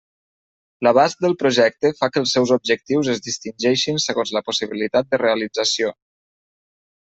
L'abast del projecte fa que els seus objectius es distingeixin segons la possibilitat de realització.